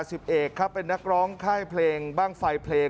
สิบเอกครับเป็นนักร้องค่ายเพลงบ้างไฟเพลง